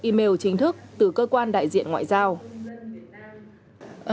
email chính thức từ cơ quan đại diện ngoại giao